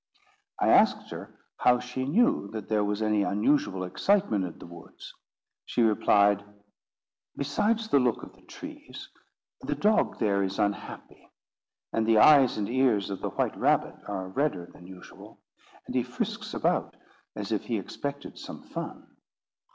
I asked her how she knew that there was any unusual excitement in the woods. She replied— "Besides the look of the trees, the dog there is unhappy; and the eyes and ears of the white rabbit are redder than usual, and he frisks about as if he expected some fun.